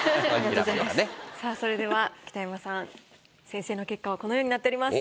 さあそれでは北山さん先生の結果はこのようになっております。